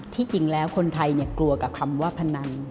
จริงแล้วคนไทยกลัวกับคำว่าพนัน